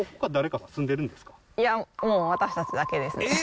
いや、もう私たちだけですね。